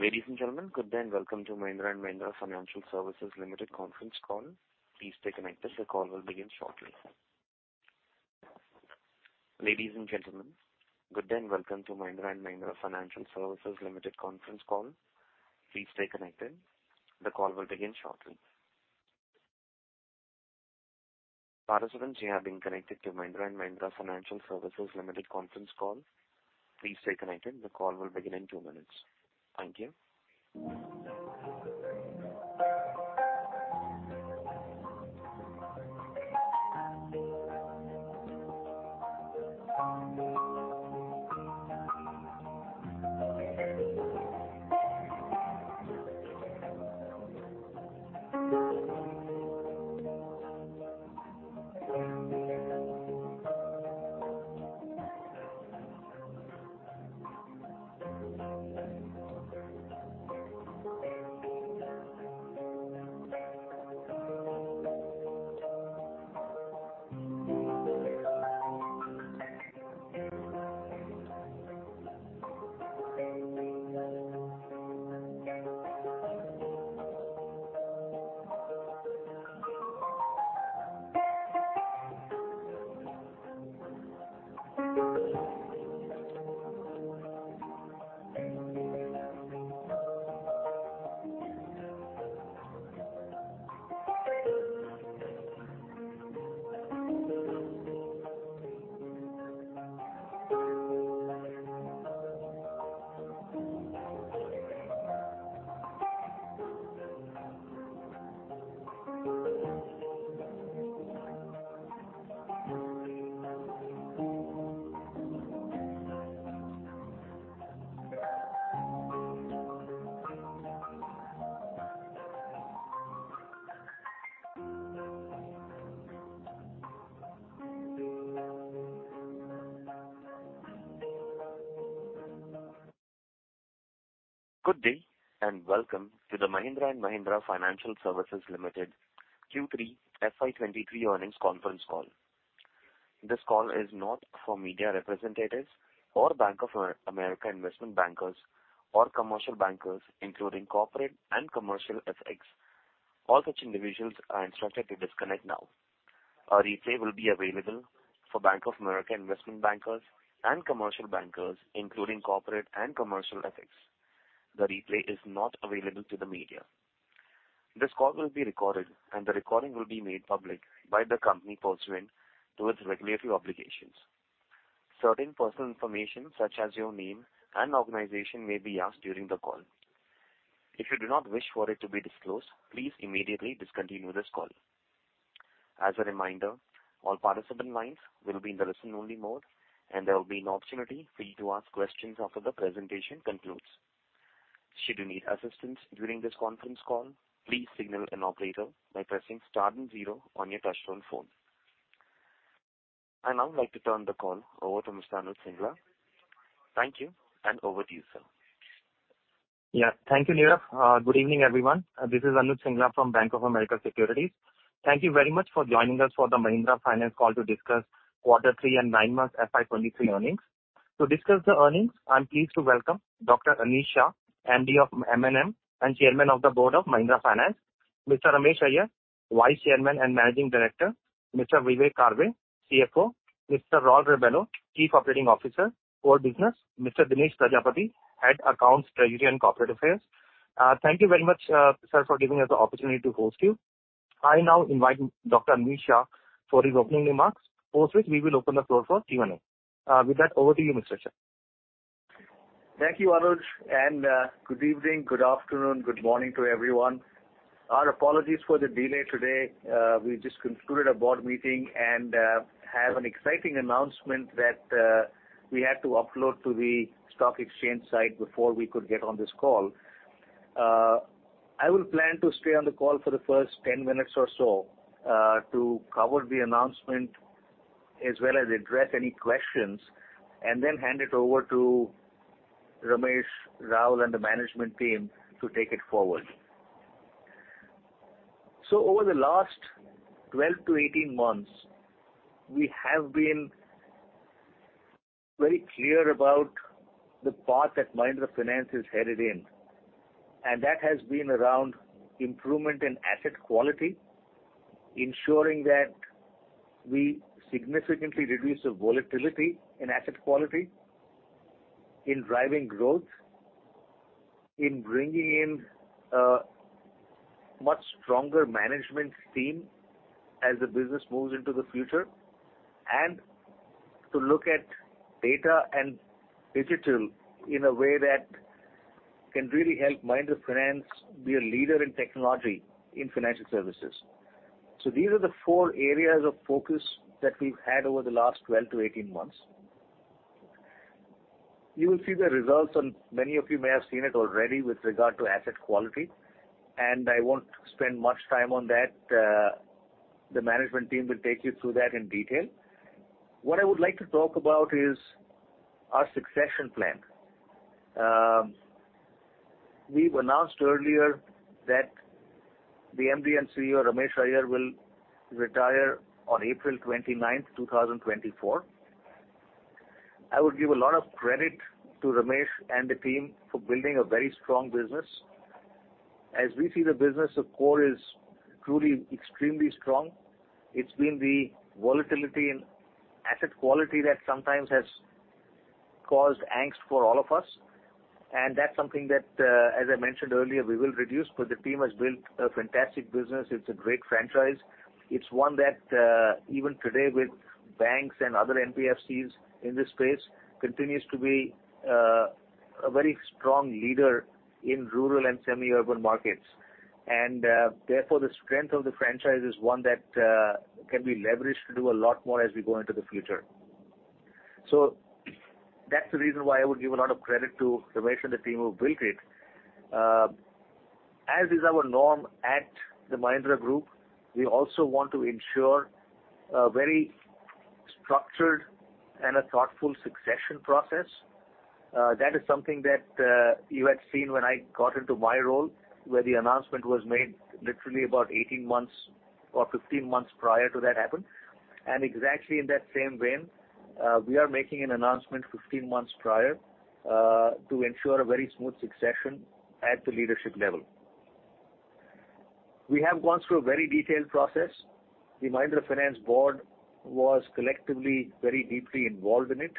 Ladies and gentlemen, good day and welcome to Mahindra & Mahindra Financial Services Limited conference call. Please stay connected. The call will begin shortly. Ladies and gentlemen, good day and welcome to Mahindra & Mahindra Financial Services Limited conference call. Please stay connected. The call will begin shortly. Participants, you have been connected to Mahindra & Mahindra Financial Services Limited conference call. Please stay connected. The call will begin in two minutes. Thank you. Good day and welcome to The Mahindra & Mahindra Financial Services Limited Q3 FY2023 Earnings Conference Call. This call is not for media representatives or Bank of America investment bankers or commercial bankers, including corporate and commercial FX. All such individuals are instructed to disconnect now. A replay will be available for Bank of America investment bankers and commercial bankers, including corporate and commercial FX. The replay is not available to the media. This call will be recorded and the recording will be made public by the company pursuant to its regulatory obligations. Certain personal information such as your name and organization may be asked during the call. If you do not wish for it to be disclosed, please immediately discontinue this call. As a reminder, all participant lines will be in listen-only mode and there will be an opportunity for you to ask questions after the presentation concludes. Should you need assistance during this conference call, please signal an operator by pressing star then zero on your touchtone phone. I'd now like to turn the call over to Mr. Anuj Singla. Thank you, over to you, sir. Yeah. Thank you, Neeraj. Good evening, everyone. This is Anuj Singla from Bank of America Securities. Thank you very much for joining us for the Mahindra Finance call to discuss quarter three and nine months FY 2023 earnings. To discuss the earnings, I'm pleased to welcome Dr. Anish Shah, MD of M&M and Chairman of the Board of Mahindra Finance. Mr. Ramesh Iyer, Vice Chairman and Managing Director. Mr. Vivek Karve, CFO. Mr. Raul Rebello, Chief Operating Officer, Core Business. Mr. Dinesh Prajapati, Head Accounts, Treasury and Corporate Affairs. Thank you very much, sir, for giving us the opportunity to host you. I now invite Dr. Anish Shah for his opening remarks, post which we will open the floor for Q&A. With that, over to you, Mr. Shah. Thank you, Anuj, good evening, good afternoon, good morning to everyone. Our apologies for the delay today. We just concluded a board meeting and have an exciting announcement that we had to upload to the stock exchange site before we could get on this call. I will plan to stay on the call for the first 10 minutes or so, to cover the announcement as well as address any questions and then hand it over to Ramesh, Raul and the management team to take it forward. Over the last 12 months-18 months, we have been very clear about the path that Mahindra Finance is headed in, and that has been around improvement in asset quality, ensuring that we significantly reduce the volatility in asset quality, in driving growth, in bringing in a much stronger management team as the business moves into the future, and to look at data and digital in a way that can really help Mahindra Finance be a leader in technology in financial services. These are the four areas of focus that we've had over the last 12 months-18 months. You will see the results and many of you may have seen it already with regard to asset quality, I won't spend much time on that. The management team will take you through that in detail. What I would like to talk about is our succession plan. We've announced earlier that the MD and CEO, Ramesh Iyer, will retire on April 29, 2024. I would give a lot of credit to Ramesh and the team for building a very strong business. As we see the business, the core is truly extremely strong. It's been the volatility in asset quality that sometimes has caused angst for all of us, and that's something that, as I mentioned earlier, we will reduce. The team has built a fantastic business. It's a great franchise. It's one that, even today with banks and other NBFCs in this space, continues to be a very strong leader in rural and semi-urban markets. Therefore, the strength of the franchise is one that can be leveraged to do a lot more as we go into the future. That's the reason why I would give a lot of credit to Ramesh and the team who built it. As is our norm at the Mahindra Group, we also want to ensure a very structured and a thoughtful succession process. That is something that you had seen when I got into my role, where the announcement was made literally about 18 months or 15 months prior to that happened. Exactly in that same vein, we are making an announcement 15 months prior to ensure a very smooth succession at the leadership level. We have gone through a very detailed process. The Mahindra Finance board was collectively very deeply involved in it.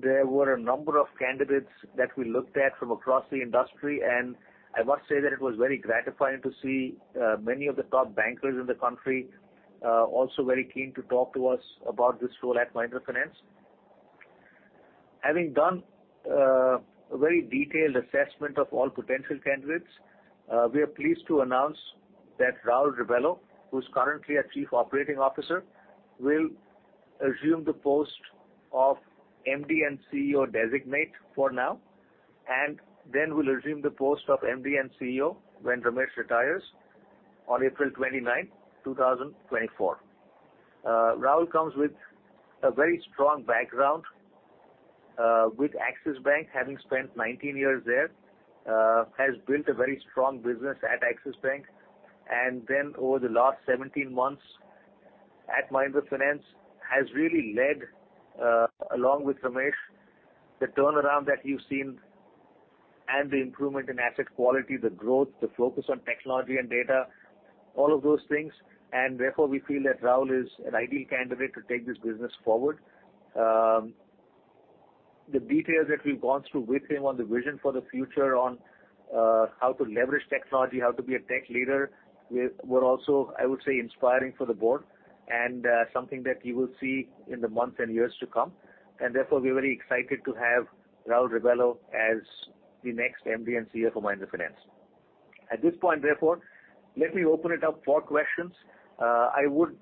There were a number of candidates that we looked at from across the industry, and I must say that it was very gratifying to see many of the top bankers in the country also very keen to talk to us about this role at Mahindra Finance. Having done a very detailed assessment of all potential candidates, we are pleased to announce that Raul Rebello, who's currently our Chief Operating Officer, will assume the post of MD and CEO designate for now, and then will assume the post of MD and CEO when Ramesh retires on April 29, 2024. Rahul comes with a very strong background with Axis Bank, having spent 19 years there, has built a very strong business at Axis Bank. Over the last 17 months at Mahindra Finance has really led, along with Ramesh, the turnaround that you've seen and the improvement in asset quality, the growth, the focus on technology and data, all of those things. We feel that Rahul is an ideal candidate to take this business forward. The details that we've gone through with him on the vision for the future on how to leverage technology, how to be a tech leader were also, I would say, inspiring for the board and something that you will see in the months and years to come. We're very excited to have Raul Rebello as the next MD and CEO for Mahindra Finance. At this point therefore, let me open it up for questions. I would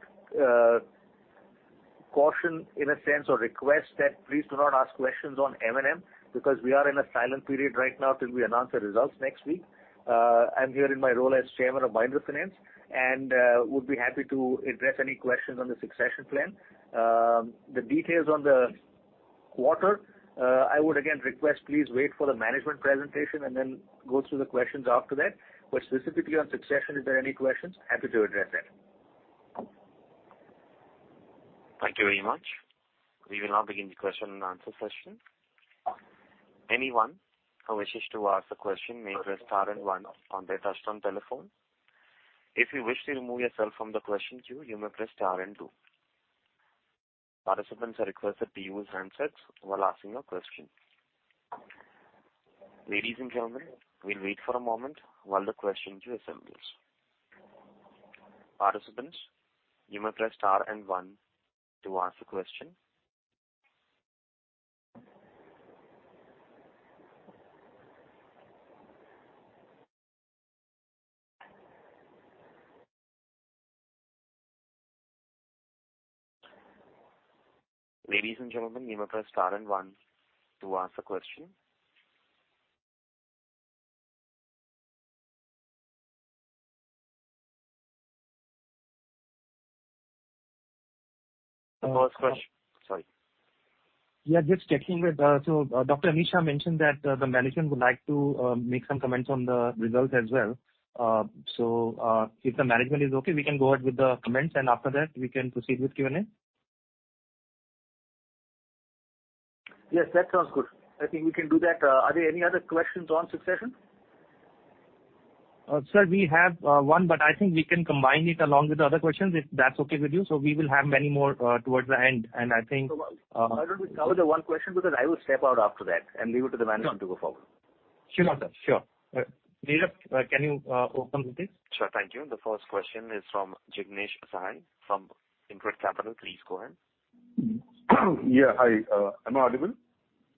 caution in a sense or request that please do not ask questions on M&M because we are in a silent period right now till we announce the results next week. I'm here in my role as Chairman of Mahindra Finance and would be happy to address any questions on the succession plan. The details on the quarter, I would again request, please wait for the management presentation and then go through the questions after that. Specifically on succession, if there are any questions, happy to address that. Thank you very much. We will now begin the question and answer session. Anyone who wishes to ask a question may press star and one on their touch-tone telephone. If you wish to remove yourself from the question queue, you may press star and two. Participants are requested to use handsets while asking a question. Ladies and gentlemen, we will wait for a moment while the question queue assembles. Participants, you may press star and one to ask a question. Ladies and gentlemen, you may press star and one to ask a question. Yeah, just checking with, so Dr. Anisha mentioned that the management would like to make some comments on the results as well. If the management is okay, we can go ahead with the comments, and after that we can proceed with Q&A. Yes, that sounds good. I think we can do that. Are there any other questions on succession? Sir, we have one, but I think we can combine it along with the other questions, if that's okay with you. We will have many more towards the end. I think... Why don't we cover the one question because I will step out after that and leave it to the management to go forward. Sure. Sure, sir. Sure. Dilip, can you open the please? Sure. Thank you. The first question is from Jignesh Shah from InCred Capital. Please go ahead. Yeah. Hi. Am I audible?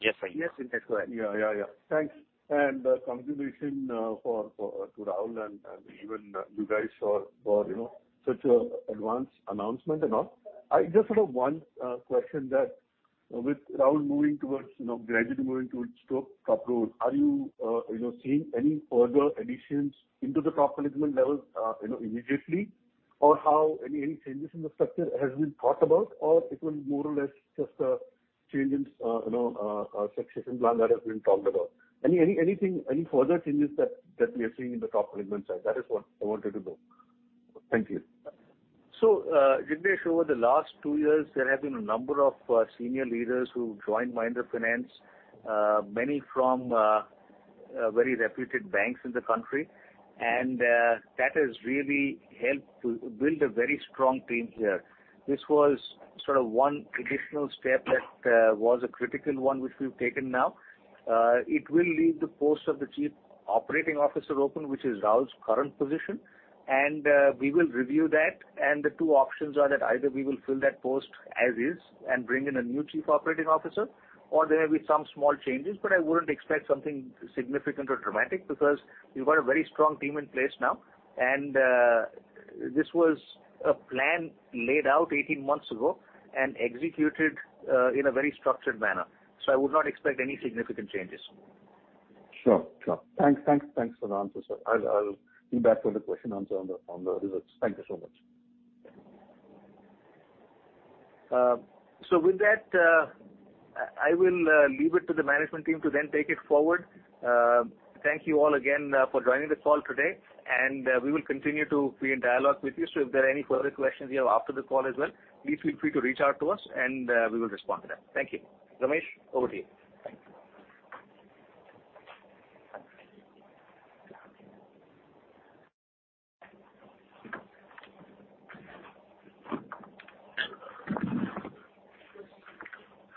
Yes, sir. Yes. Please go ahead. Yeah. Yeah, yeah. Thanks. Congratulations to Rahul and even you guys for, you know, such a advanced announcement and all. I just sort of one question that with Rahul moving towards, you know, gradually moving towards to top role, are you know, seeing any further additions into the top management level, you know, immediately? How any changes in the structure has been thought about? It will be more or less just, you know, succession plan that has been talked about. Any further changes that we are seeing in the top management side? That is what I wanted to know. Thank you. Jignesh Shah, over the last two years, there have been a number of senior leaders who joined Mahindra Finance, many from very reputed banks in the country. That has really helped to build a very strong team here. This was sort of one additional step that was a critical one, which we've taken now. It will leave the post of the Chief Operating Officer open, which is Raul's current position, we will review that. The two options are that either we will fill that post as is and bring in a new Chief Operating Officer or there may be some small changes. I wouldn't expect something significant or dramatic because we've got a very strong team in place now. This was a plan laid out 18 months ago and executed in a very structured manner. I would not expect any significant changes. Sure. Sure. Thanks. Thanks. Thanks for the answer, sir. I'll be back with a question and answer on the results. Thank you so much. With that, I will leave it to the management team to then take it forward. Thank you all again for joining the call today, and we will continue to be in dialogue with you. If there are any further questions you have after the call as well, please feel free to reach out to us and we will respond to that. Thank you. Ramesh, over to you.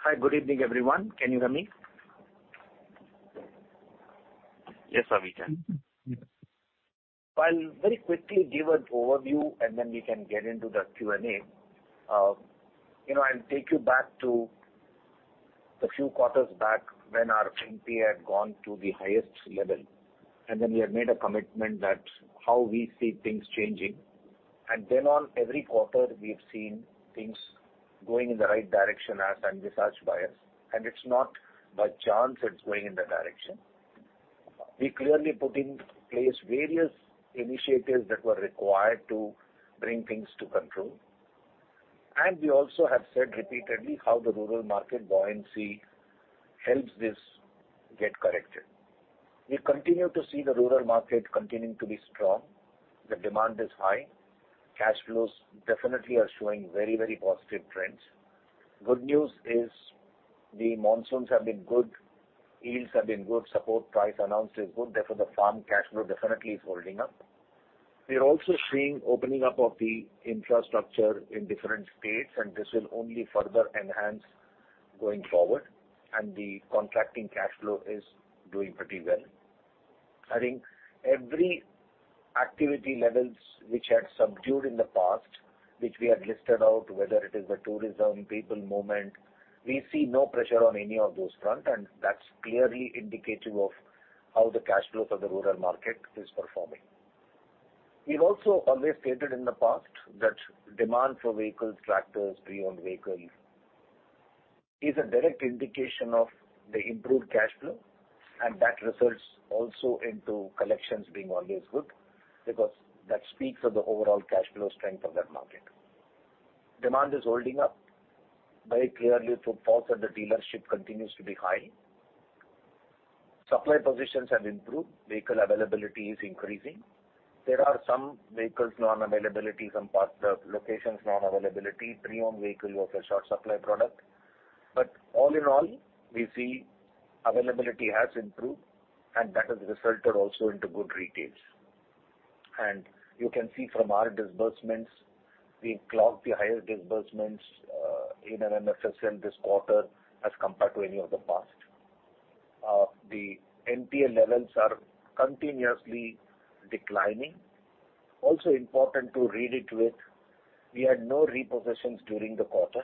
Hi. Good evening, everyone. Can you hear me? Yes, Ramesh, we can. I'll very quickly give an overview, then we can get into the Q&A. you know, I'll take you back to a few quarters back when our GNPA had gone to the highest level, then we had made a commitment that how we see things changing. Then on every quarter we've seen things going in the right direction as envisaged by us. It's not by chance it's going in that direction. We clearly put in place various initiatives that were required to bring things to control. We also have said repeatedly how the rural market buoyancy helps this get corrected. We continue to see the rural market continuing to be strong. The demand is high. Cash flows definitely are showing very, very positive trends. Good news is the monsoons have been good, yields have been good, support price announced is good, therefore, the farm cash flow definitely is holding up. We are also seeing opening up of the infrastructure in different states and this will only further enhance going forward and the contracting cash flow is doing pretty well. I think every activity levels which had subdued in the past, which we had listed out, whether it is the tourism, people movement, we see no pressure on any of those front, and that's clearly indicative of how the cash flow for the rural market is performing. We've also always stated in the past that demand for vehicles, tractors, pre-owned vehicles is a direct indication of the improved cash flow, and that results also into collections being always good because that speaks of the overall cash flow strength of that market. Demand is holding up very clearly through falls at the dealership continues to be high. Supply positions have improved. Vehicle availability is increasing. There are some vehicles non-availability, some partner locations non-availability. Pre-owned vehicle was a short supply product. All in all, we see availability has improved and that has resulted also into good retails. You can see from our disbursements, we've clocked the highest disbursements in an MMFSL this quarter as compared to any of the past. The NPA levels are continuously declining. Also important to read it with, we had no repossessions during the quarter.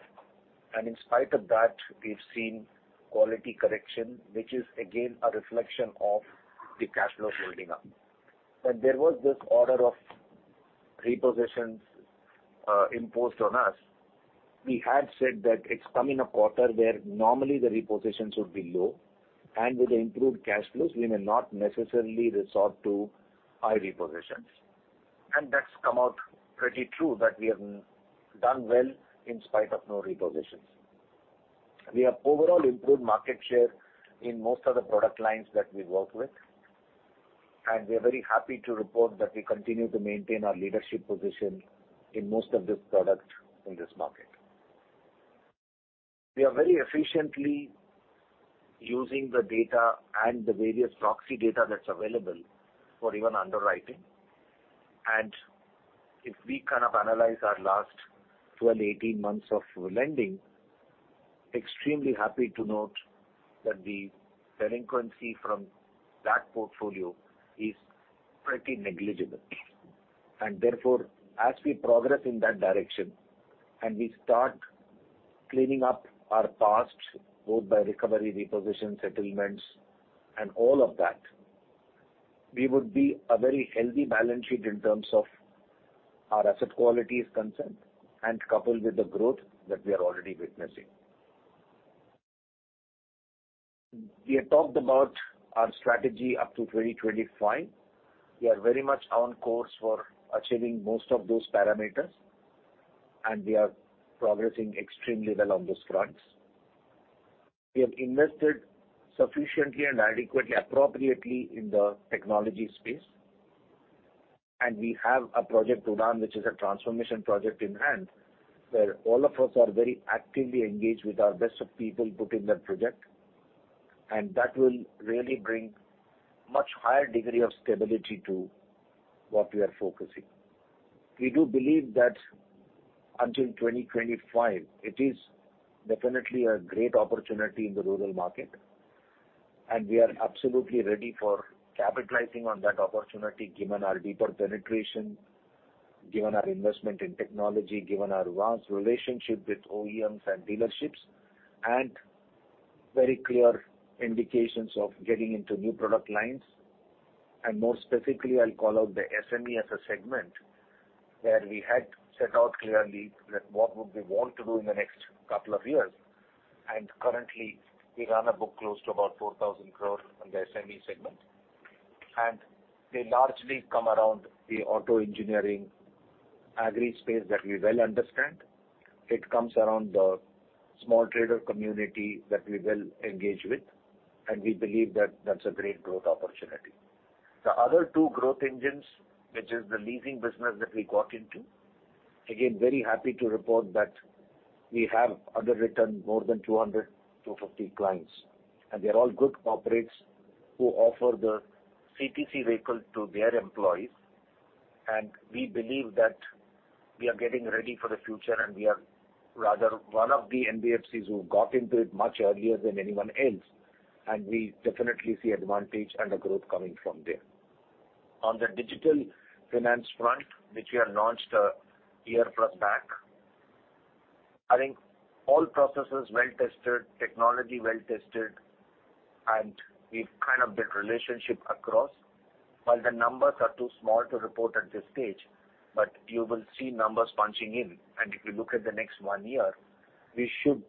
In spite of that, we've seen quality correction, which is again a reflection of the cash flow holding up. When there was this order of repossessions imposed on us, we had said that it's come in a quarter where normally the repossessions would be low. With the improved cash flows, we may not necessarily resort to high repossessions. That's come out pretty true that we have done well in spite of no repossessions. We have overall improved market share in most of the product lines that we work with, and we are very happy to report that we continue to maintain our leadership position in most of this product in this market. We are very efficiently using the data and the various proxy data that's available for even underwriting. If we kind of analyze our last 12 months-18 months of lending, extremely happy to note that the delinquency from that portfolio is pretty negligible. Therefore, as we progress in that direction, and we start cleaning up our past, both by recovery, repossession, settlements and all of that, we would be a very healthy balance sheet in terms of our asset quality is concerned and coupled with the growth that we are already witnessing. We have talked about our strategy up to 2025. We are very much on course for achieving most of those parameters, and we are progressing extremely well on those fronts. We have invested sufficiently and adequately, appropriately in the technology space. We have a project, Udaan, which is a transformation project in hand, where all of us are very actively engaged with our best people put in that project. That will really bring much higher degree of stability to what we are focusing. We do believe that until 2025, it is definitely a great opportunity in the rural market, and we are absolutely ready for capitalizing on that opportunity given our deeper penetration, given our investment in technology, given our vast relationship with OEMs and dealerships, and very clear indications of getting into new product lines. More specifically, I'll call out the SME as a segment where we had set out clearly that what would we want to do in the next couple of years. Currently, we run a book close to about 4,000 crore in the SME segment. They largely come around the auto engineering agri space that we well understand. It comes around the small trader community that we well engage with, and we believe that that's a great growth opportunity. The other two growth engines, which is the leasing business that we got into, again, very happy to report that we have underwritten more than 200 clients-250 clients. They're all good corporates who offer the CTC vehicle to their employees. We believe that we are getting ready for the future, and we are rather one of the NBFCs who got into it much earlier than anyone else, and we definitely see advantage and the growth coming from there. On the digital finance front, which we have launched a year plus back, I think all processes well tested, technology well tested, and we've kind of built relationship across. While the numbers are too small to report at this stage, but you will see numbers punching in. If you look at the next one year, we should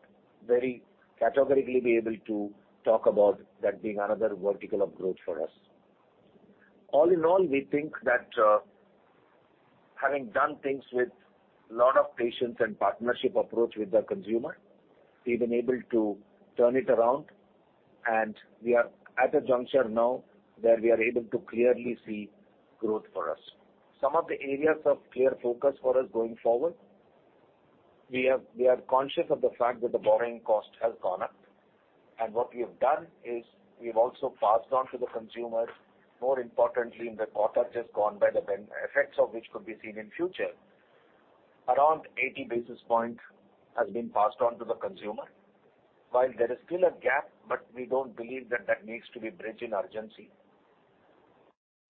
very categorically be able to talk about that being another vertical of growth for us. All in all, we think that, having done things with lot of patience and partnership approach with the consumer, we've been able to turn it around, and we are at a juncture now where we are able to clearly see growth for us. Some of the areas of clear focus for us going forward, we are conscious of the fact that the borrowing cost has gone up. What we have done is we have also passed on to the consumers, more importantly, in the quarter just gone by the then effects of which could be seen in future. Around 80 basis point has been passed on to the consumer. While there is still a gap, but we don't believe that that needs to be bridged in urgency.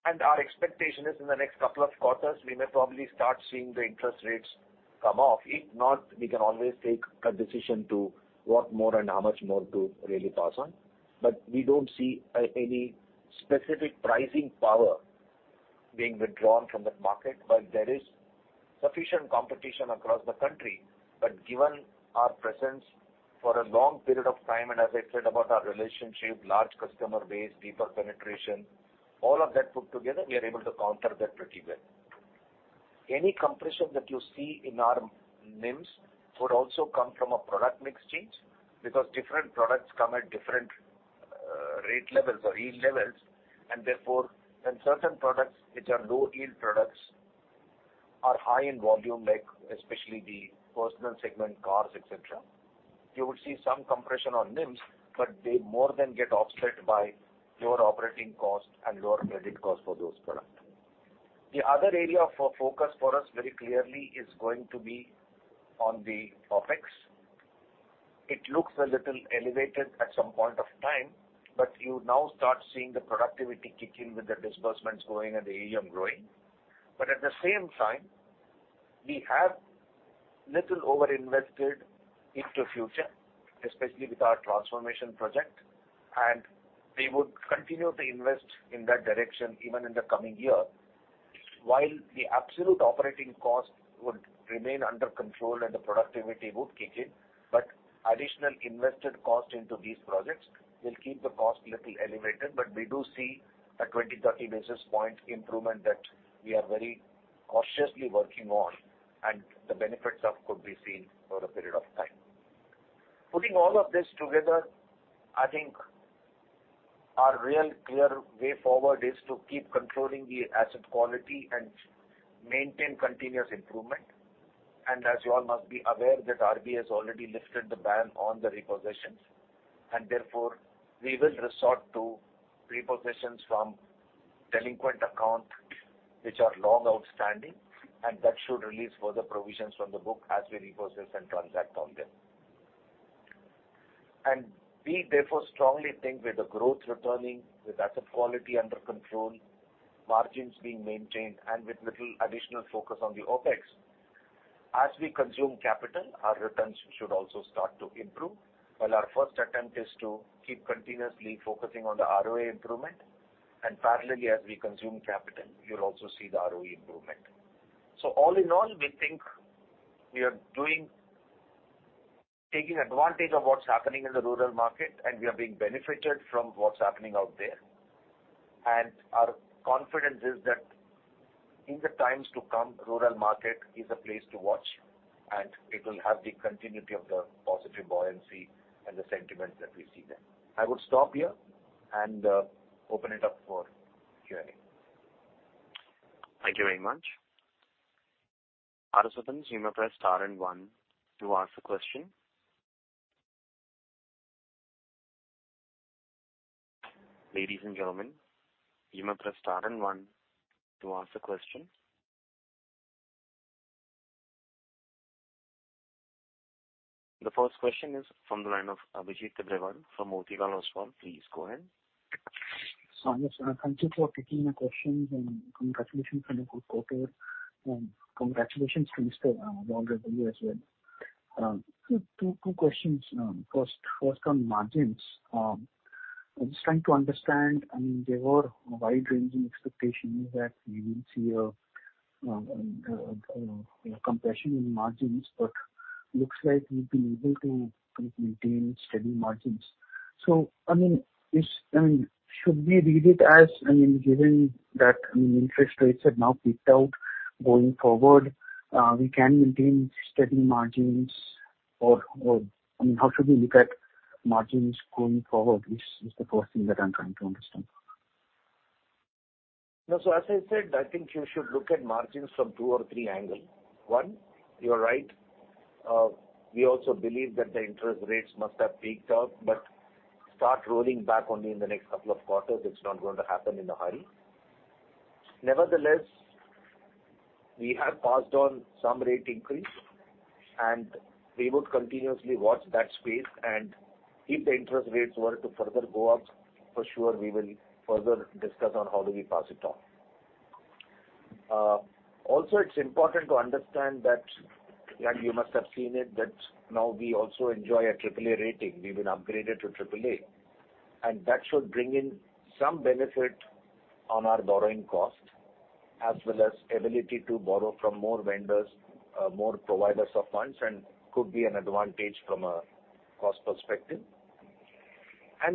Our expectation is in the next couple of quarters, we may probably start seeing the interest rates come off. If not, we can always take a decision to what more and how much more to really pass on. We don't see any specific pricing power being withdrawn from that market. While there is sufficient competition across the country, but given our presence for a long period of time, and as I said about our relationship, large customer base, deeper penetration, all of that put together, we are able to counter that pretty well. Any compression that you see in our NIMS would also come from a product mix change because different products come at different rate levels or yield levels. Therefore, when certain products which are low-yield products are high in volume, like especially the personal segment, cars, et cetera, you would see some compression on NIMS, but they more than get offset by lower operating costs and lower credit costs for those product. The other area of focus for us very clearly is going to be on the OpEx. It looks a little elevated at some point of time, but you now start seeing the productivity kick in with the disbursements growing and the AUM growing. At the same time, we have little overinvested into future, especially with our transformation project, and we would continue to invest in that direction even in the coming year. While the absolute operating cost would remain under control and the productivity would kick in, but additional invested cost into these projects will keep the cost little elevated. We do see a 20 basis points, 30 basis points improvement that we are very cautiously working on and the benefits of could be seen over a period of time. Putting all of this together, I think our real clear way forward is to keep controlling the asset quality and maintain continuous improvement. As you all must be aware that RBI has already lifted the ban on the repossessions. Therefore, we will resort to repossessions from delinquent account which are long outstanding, and that should release further provisions from the book as we repossess and transact on them. We therefore strongly think with the growth returning, with asset quality under control, margins being maintained, and with little additional focus on the OpEx, as we consume capital, our returns should also start to improve. While our first attempt is to keep continuously focusing on the ROA improvement and parallelly as we consume capital, you'll also see the ROE improvement. All in all, we think we are taking advantage of what's happening in the rural market and we are being benefited from what's happening out there. Our confidence is that in the times to come, rural market is a place to watch and it will have the continuity of the positive buoyancy and the sentiments that we see there. I would stop here and open it up for Q&A. Thank you very much. Operators, you may press star and one to ask a question. Ladies and gentlemen, you may press star and one to ask a question. The first question is from the line of Abhijit Deb from Motilal Oswal. Please go ahead. Yes, thank you for taking my questions and congratulations on a good quarter and congratulations to Mr. Raul Rebello as well. Two questions. First on margins. I'm just trying to understand, I mean, there were wide-ranging expectations that we will see a, you know, compression in margins, but looks like you've been able to maintain steady margins. I mean, should we read it as, I mean, given that, I mean, interest rates have now peaked out going forward, we can maintain steady margins or, I mean, how should we look at margins going forward, is the first thing that I'm trying to understand. As I said, I think you should look at margins from two or three angle. One, you are right. We also believe that the interest rates must have peaked out but start rolling back only in the next couple of quarters. It's not going to happen in a hurry. Nevertheless, we have passed on some rate increase, we would continuously watch that space. If the interest rates were to further go up, for sure we will further discuss on how do we pass it on. Also it's important to understand that, and you must have seen it, that now we also enjoy a AAA rating. We've been upgraded to AAA. That should bring in some benefit on our borrowing cost as well as ability to borrow from more vendors, more providers of funds and could be an advantage from a cost perspective.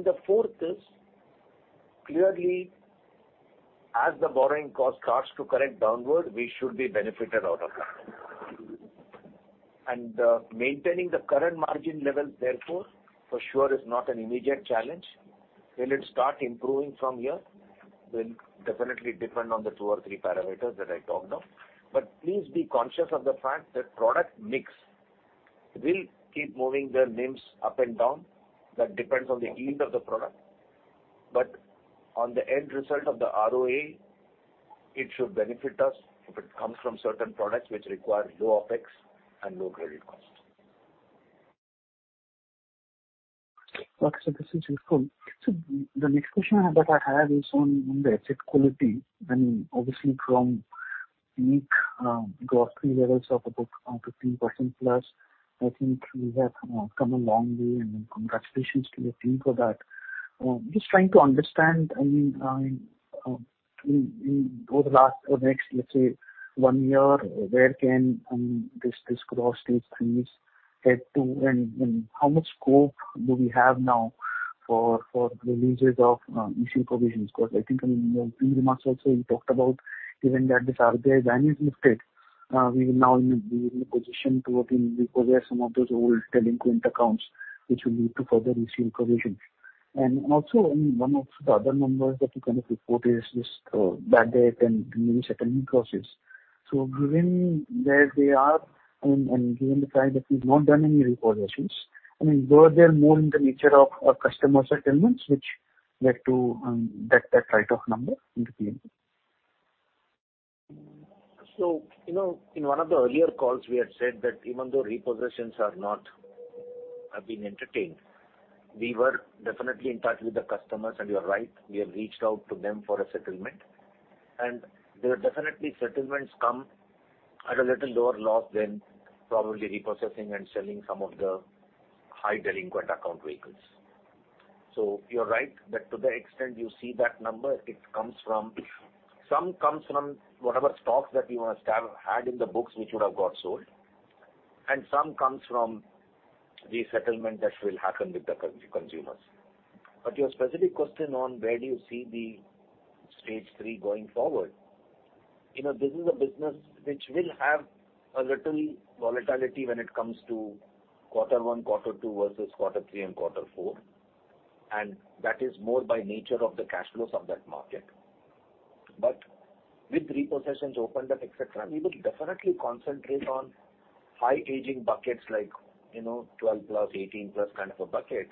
The fourth is, clearly, as the borrowing cost starts to correct downward, we should be benefited out of that. Maintaining the current margin levels, therefore, for sure is not an immediate challenge. Will it start improving from here? Will definitely depend on the two or three parameters that I talked of. Please be conscious of the fact that product mix will keep moving the NIMs up and down. That depends on the yield of the product. On the end result of the ROA, it should benefit us if it comes from certain products which require low OpEx and low credit cost. Okay, this is useful. The next question that I had is on the asset quality. Obviously from unique, Stage 3 levels of about up to 3% plus, I think we have come a long way and congratulations to your team for that. Just trying to understand, in over the last or next, let's say one year, where can this gross Stage 3 head to and how much scope do we have now for releases of issue provisions? Because I think, in your previous remarks also you talked about given that this RBI ban is lifted, we will now be in a position to repossess some of those old delinquent accounts which will lead to further issue in provisions. I mean, one of the other numbers that you kind of report is this bad debt and new settlement process. Given where they are and given the fact that we've not done any repossessions, I mean, were they more in the nature of customer settlements which led to that write-off number in the P&L? You know, in one of the earlier calls we had said that even though repossessions are not being entertained, we were definitely in touch with the customers and you're right, we have reached out to them for a settlement. There are definitely settlements come at a little lower loss than probably repossessing and selling some of the high delinquent account vehicles. You're right that to the extent you see that number, it comes from—Some comes from whatever stocks that you must have had in the books which would have got sold and some comes from the settlement that will happen with the consumers. Your specific question on where do you see the Stage 3 going forward? You know, this is a business which will have a little volatility when it comes to quarter one, quarter two versus quarter three and quarter four. That is more by nature of the cash flows of that market. With repossessions opened up, et cetera, we would definitely concentrate on high aging buckets like, you know, 12%+, 18%+ kind of a bucket.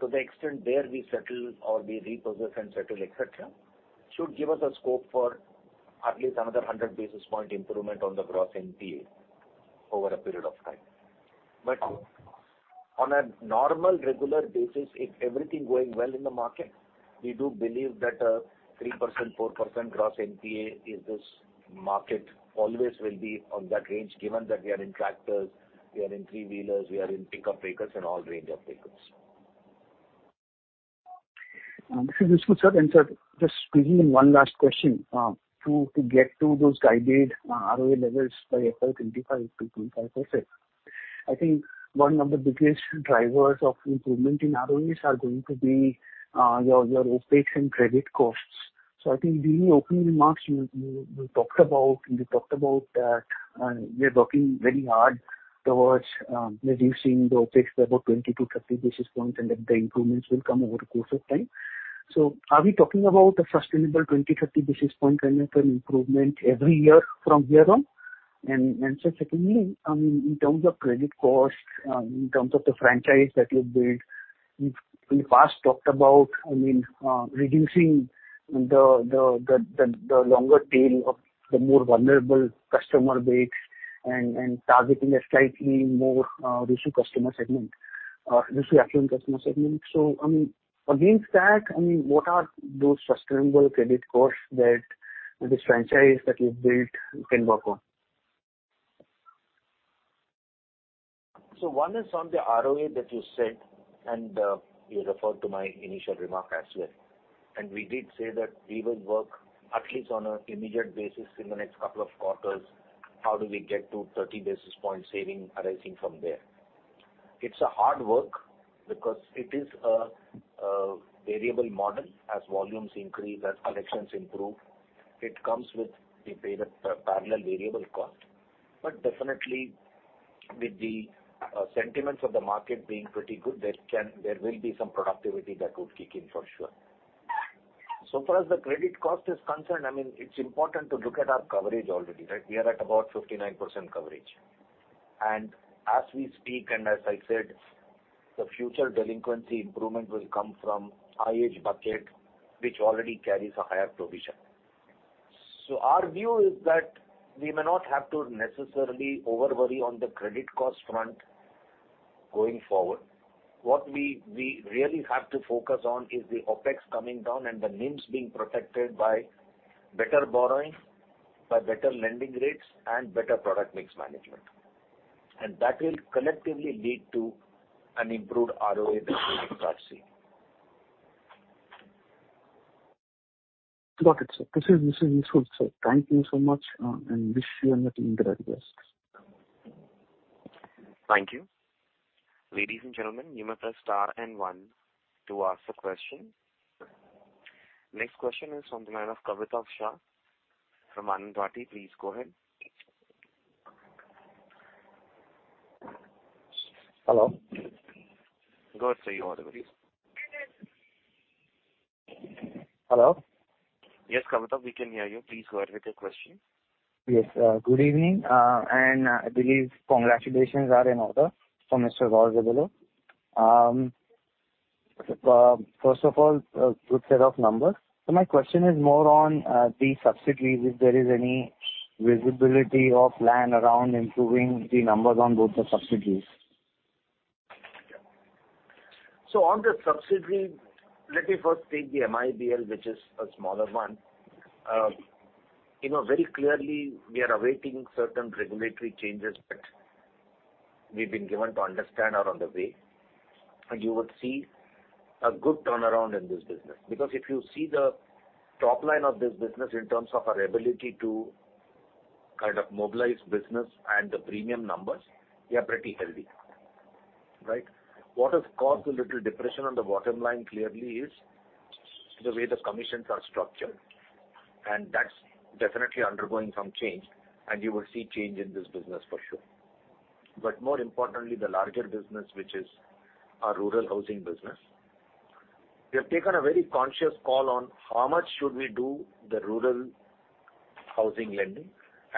To the extent there we settle or we repossess and settle, et cetera, should give us a scope for at least another 100 basis point improvement on the gross NPA over a period of time. On a normal regular basis, if everything going well in the market, we do believe that 3%, 4% gross NPA in this market always will be on that range given that we are in tractors, we are in three-wheelers, we are in pickup vehicles and all range of vehicles. This is good, sir. Sir, just squeezing in one last question. To get to those guided ROA levels by FY 2025 to 25%. I think one of the biggest drivers of improvement in ROAs are going to be your OpEx and credit costs. I think the opening remarks you talked about and you talked about that we are working very hard towards reducing the OpEx by about 20-30 basis points, and that the improvements will come over the course of time. Are we talking about a sustainable 20-30 basis point kind of an improvement every year from here on? Secondly, I mean, in terms of credit costs, in terms of the franchise that you've built, you've in the past talked about, I mean, reducing the longer tail of the more vulnerable customer base and targeting a slightly more risky customer segment, risky affluent customer segment. I mean, against that, I mean, what are those sustainable credit costs that this franchise that you've built can work on? One is on the ROA that you said, and you referred to my initial remark as well. We did say that we will work at least on a immediate basis in the next couple of quarters, how do we get to 30 basis point saving arising from there. It's a hard work because it is a variable model. As volumes increase, as collections improve, it comes with a parallel variable cost. Definitely with the sentiments of the market being pretty good, there will be some productivity that would kick in for sure. Far as the credit cost is concerned, I mean, it's important to look at our coverage already, right? We are at about 59% coverage. As we speak, and as I said, the future delinquency improvement will come from IH bucket, which already carries a higher provision. Our view is that we may not have to necessarily over worry on the credit cost front going forward. What we really have to focus on is the OpEx coming down and the NIMs being protected by better borrowing, by better lending rates and better product mix management. That will collectively lead to an improved ROA that we are seeing. Got it, sir. This is useful, sir. Thank you so much, and wish you and the team the very best. Thank you. Ladies and gentlemen, you may press star and one to ask a question. Next question is from the line of Kaitav Shah from Anand Rathi. Please go ahead. Hello. Go ahead, sir. You're audible. Hello. Yes, Kavitav, we can hear you. Please go ahead with your question. Yes. Good evening. I believe congratulations are in order for Mr. Ramesh Iyer. First of all, a good set of numbers. My question is more on, the subsidies, if there is any visibility or plan around improving the numbers on both the subsidies. On the subsidy, let me first take the MIBL, which is a smaller one. You know, very clearly we are awaiting certain regulatory changes that we've been given to understand are on the way, and you would see a good turnaround in this business. If you see the top line of this business in terms of our ability to kind of mobilize business and the premium numbers, they are pretty healthy, right? What has caused a little depression on the bottom line clearly is the way the commissions are structured, and that's definitely undergoing some change and you will see change in this business for sure. More importantly, the larger business, which is our rural housing business. We have taken a very conscious call on how much should we do the rural housing lending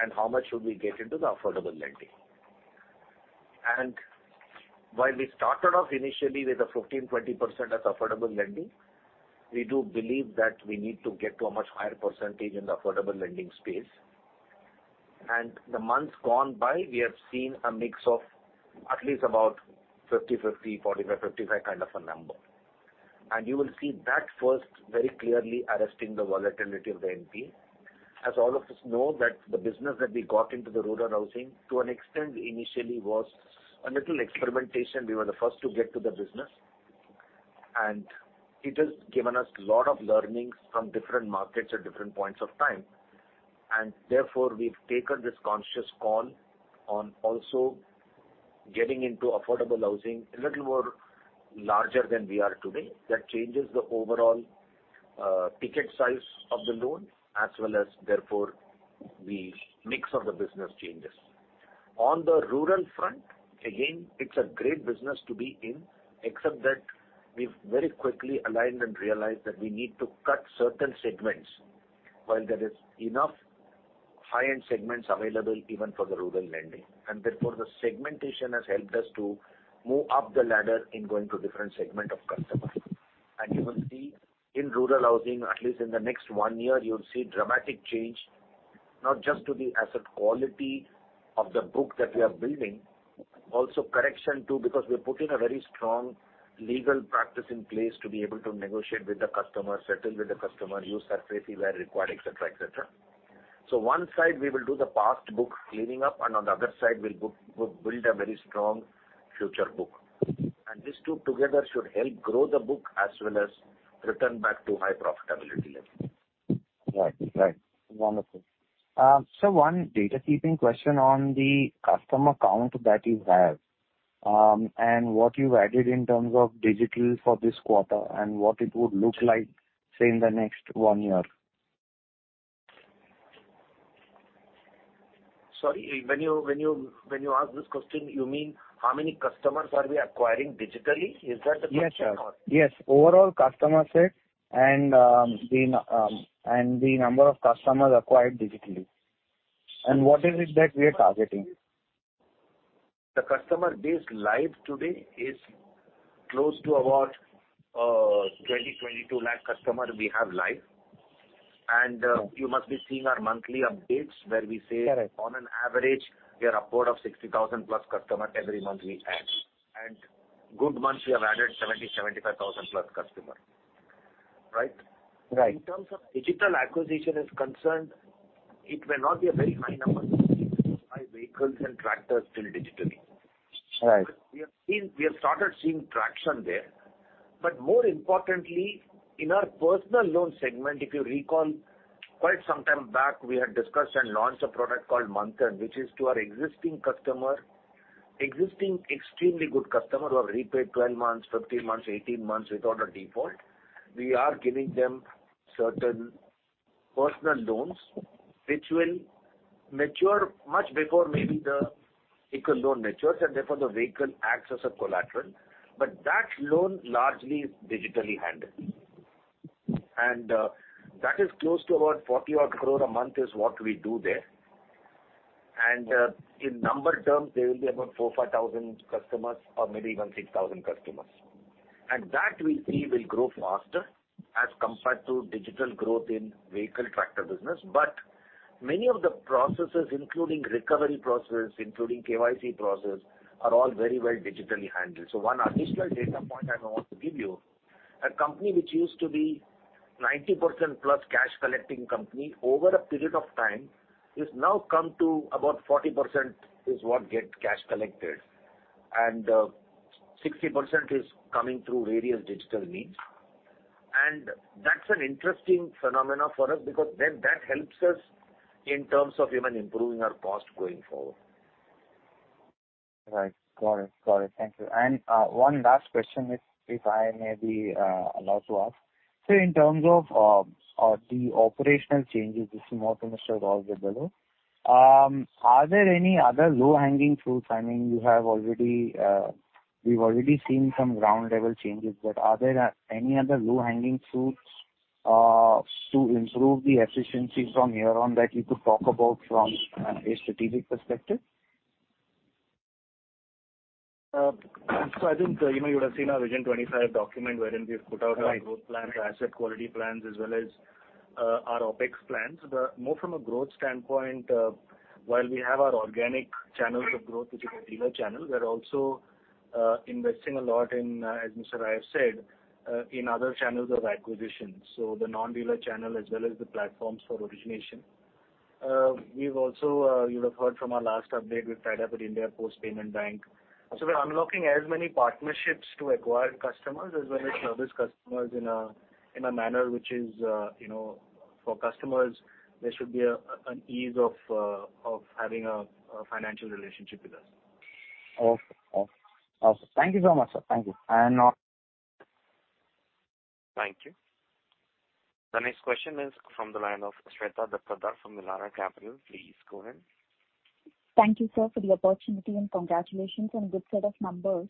and how much should we get into the affordable lending. While we started off initially with a 15%-20% as affordable lending, we do believe that we need to get to a much higher percentage in the affordable lending space. The months gone by, we have seen a mix of at least about 50/50, 45/55 kind of a number. You will see that first very clearly arresting the volatility of the NP. As all of us know that the business that we got into the rural housing to an extent initially was a little experimentation. We were the first to get to the business and it has given us lot of learnings from different markets at different points of time. Therefore, we've taken this conscious call on also getting into affordable housing a little more larger than we are today. That changes the overall ticket size of the loan as well as therefore the mix of the business changes. On the rural front, again, it's a great business to be in, except that we've very quickly aligned and realized that we need to cut certain segments while there is enough high-end segments available even for the rural lending. Therefore, the segmentation has helped us to move up the ladder in going to different segment of customers. You will see in rural housing, at least in the next one year, you'll see dramatic change, not just to the asset quality of the book that we are building, also correction too because we're putting a very strong legal practice in place to be able to negotiate with the customer, settle with the customer, use our fee where required, et cetera, et cetera. One side we will do the past book cleaning up and on the other side we'll build a very strong future book. These two together should help grow the book as well as return back to high profitability level. Right. Right. Wonderful. One data keeping question on the customer count that you have, and what you've added in terms of digital for this quarter and what it would look like, say, in the next one year? Sorry. When you ask this question, you mean how many customers are we acquiring digitally? Is that the question? Yes, sir. Yes. Overall customer set and the number of customers acquired digitally. What is it that we are targeting. The customer base live today is close to about 22 lakh customers we have live. You must be seeing our monthly updates where we say. Correct. On an average we are upward of 60,000+ customer every month we add. Good months we have added 70,000-75,000+ customer. Right? Right. In terms of digital acquisition is concerned, it may not be a very high number buy vehicles and tractors still digitally. Right. We have started seeing traction there. More importantly, in our personal loan segment, if you recall quite some time back, we had discussed and launched a product called Manthan, which is to our existing customer, existing extremely good customer who have repaid 12 months, 15 months, 18 months without a default. We are giving them certain personal loans which will mature much before maybe the equal loan matures, and therefore the vehicle acts as a collateral. That loan largely is digitally handled. That is close to about 40 odd crores a month is what we do there. In number terms, there will be about 4,000-5,000 customers or maybe even 6,000 customers. That we see will grow faster as compared to digital growth in vehicle tractor business. Many of the processes, including recovery process, including KYC process, are all very well digitally handled. One additional data point I now want to give you, a company which used to be 90%+ cash collecting company over a period of time, has now come to about 40% is what get cash collected, and 60% is coming through various digital means. That's an interesting phenomena for us because then that helps us in terms of even improving our cost going forward. Right. Got it. Got it. Thank you. One last question, if I may be allowed to ask. In terms of the operational changes, this is more to Mr. Raul Rebello. Are there any other low-hanging fruits? I mean, you have already, we've already seen some ground-level changes, but are there any other low-hanging fruits to improve the efficiency from here on that you could talk about from a strategic perspective? I think, you know, you would have seen our Vision 2025 document wherein we've put out our growth plans, asset quality plans, as well as our OpEx plans. But more from a growth standpoint, while we have our organic channels of growth, which is a dealer channel, we are also investing a lot in as Mr. Iyer have said, in other channels of acquisition. The non-dealer channel as well as the platforms for origination. We've also, you would have heard from our last update, we've tied up with India Post Payments Bank. We're unlocking as many partnerships to acquire customers as well as service customers in a, in a manner which is, you know, for customers there should be a, an ease of of having a financial relationship with us. Okay. Okay. Awesome. Thank you so much, sir. Thank you. Thank you. The next question is from the line of Shweta Daptardar from Elara Capital. Please go ahead. Thank you, sir, for the opportunity and congratulations on good set of numbers.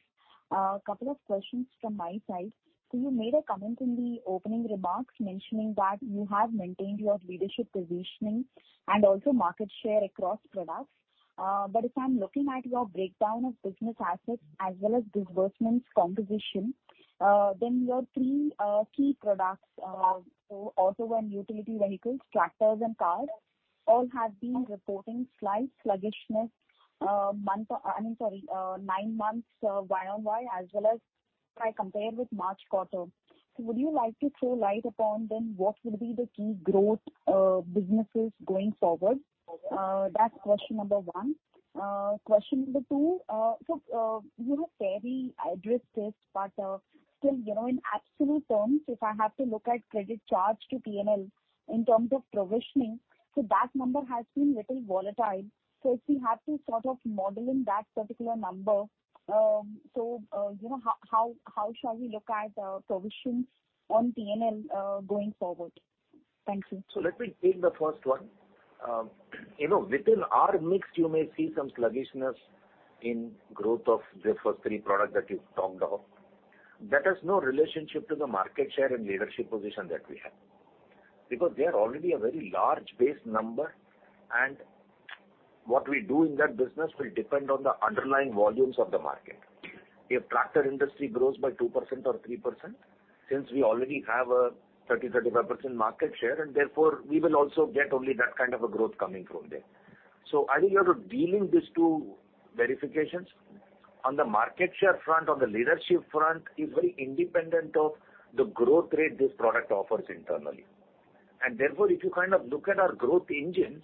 A couple of questions from my side. You made a comment in the opening remarks mentioning that you have maintained your leadership positioning and also market share across products. If I'm looking at your breakdown of business assets as well as disbursements composition, then your three key products, so auto and utility vehicles, tractors and cars, all have been reporting slight sluggishness, I mean, sorry, nine months year-on-year as well as if I compare with March quarter. Would you like to throw light upon then what will be the key growth businesses going forward? That's question number one. Question number two. you know, Terry addressed this, but, still, you know, in absolute terms, if I have to look at credit charge to P&L in terms of provisioning, so that number has been little volatile. If we have to sort of model in that particular number, so, you know, how shall we look at provisions on P&L going forward? Thank you. Let me take the first one. You know, within our mix you may see some sluggishness in growth of the first three products that you've talked about. That has no relationship to the market share and leadership position that we have, because they are already a very large base number, and what we do in that business will depend on the underlying volumes of the market. If tractor industry grows by 2% or 3%, since we already have a 30%-35% market share, and therefore we will also get only that kind of a growth coming from there. I think you have to deal in these two verifications. On the market share front, on the leadership front is very independent of the growth rate this product offers internally. Therefore, if you kind of look at our growth engines,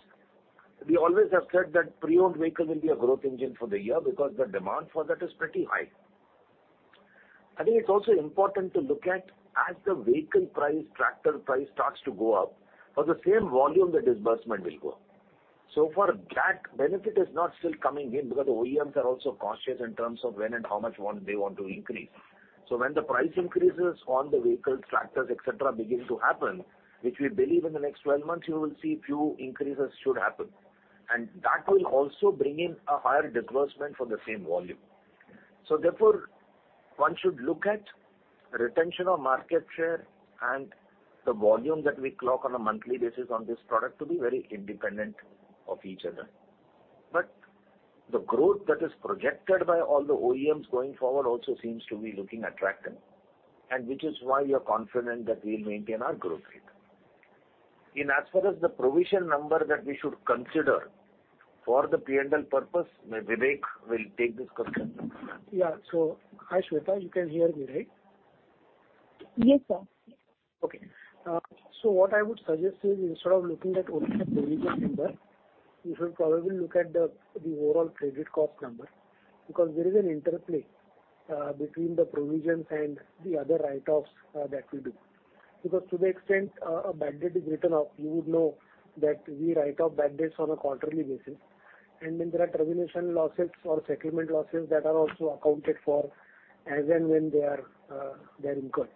we always have said that pre-owned vehicle will be a growth engine for the year because the demand for that is pretty high. I think it's also important to look at as the vehicle price, tractor price starts to go up, for the same volume, the disbursement will go up. For that benefit is not still coming in because the OEMs are also cautious in terms of when and how much they want to increase. When the price increases on the vehicles, tractors, et cetera, begin to happen, which we believe in the next 12 months, you will see few increases should happen. That will also bring in a higher disbursement for the same volume. Therefore, one should look at retention of market share and the volume that we clock on a monthly basis on this product to be very independent of each other. The growth that is projected by all the OEMs going forward also seems to be looking attractive, and which is why we are confident that we'll maintain our growth rate. In as far as the provision number that we should consider for the P&L purpose, may Vivek will take this question. Yeah. Hi, Shweta, you can hear me, right? Yes, sir. Okay. what I would suggest is instead of looking at only the provision number, you should probably look at the overall credit cost number because there is an interplay, between the provisions and the other write-offs, that we do. Because to the extent our bad debt is written off, you would know that we write off bad debts on a quarterly basis. There are termination losses or settlement losses that are also accounted for as and when they are, they are incurred.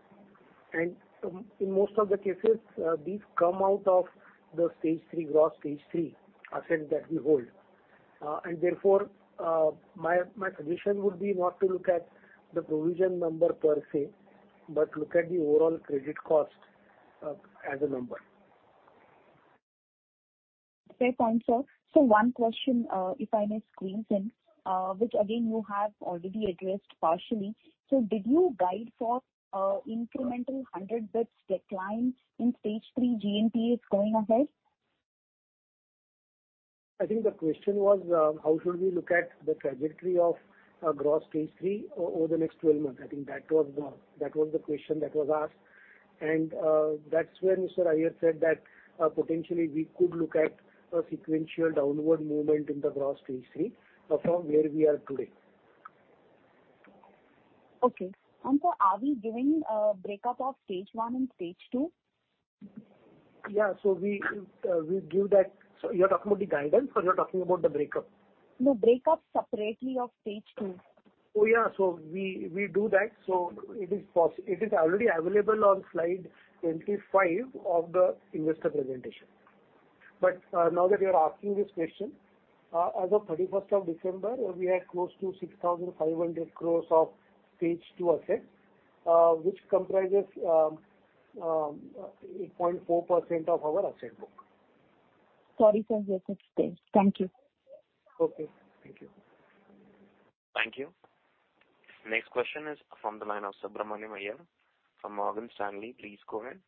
In most of the cases, these come out of the Stage 3, gross Stage 3 assets that we hold. Therefore, my suggestion would be not to look at the provision number per se, but look at the overall credit cost, as a number. Fair point, sir. One question, if I may squeeze in, which again you have already addressed partially. Did you guide for, incremental 100 basis points decline in Stage 3 GNPA going ahead? I think the question was, how should we look at the trajectory of, gross Stage 3 over the next 12 months. I think that was the question that was asked. That's where Mr. Iyer said that, potentially we could look at a sequential downward movement in the gross Stage 3 from where we are today. Okay. sir, are we giving a break up of Stage 1 and Stage 2? Yeah. You're talking about the guidance or you're talking about the break up? No, break up separately of Stage 2. Oh, yeah. We do that. It is already available on slide 25 of the investor presentation. Now that you're asking this question, as of 31st of December, we had close to 6,500 crores of Stage 2 assets, which comprises 8.4% of our asset book. Sorry, sir. Yes, it's there. Thank you. Okay, thank you. Thank you. Next question is from the line of Subramanian Iyer from Morgan Stanley. Please go ahead.